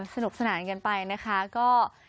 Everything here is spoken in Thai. สนุกสนานกันไปนะคะก็